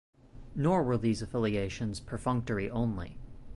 Nor were these affiliations perfunctory only.